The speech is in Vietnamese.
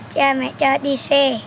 cho đi xe